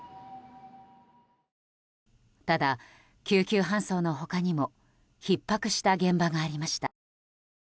ただ、救急搬送の他にもひっ迫した現場がありました。